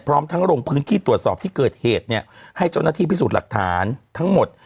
พร้อมทั้งลงพื้นที่ตรวจสอบที่เกิดเหตุเนี่ยให้เจ้าหน้าที่พิสูจน์หลักฐานทั้งหมด